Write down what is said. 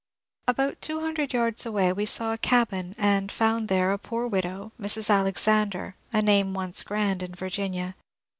About two hundred yards away we saw a cabin and found there a poor widow, Mrs. Alexander, a name once grand in Virginia.